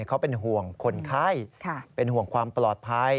เขาเป็นห่วงคนไข้เป็นห่วงความปลอดภัย